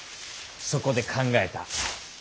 そこで考えた。